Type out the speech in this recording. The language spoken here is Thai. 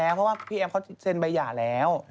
เขาก็เลิกกันแล้ว